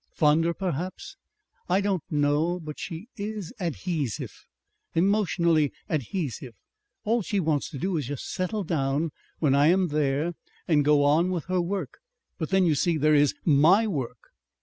"Fonder perhaps." "I don't know. But she is adhesive. Emotionally adhesive. All she wants to do is just to settle down when I am there and go on with her work. But then, you see, there is MY work."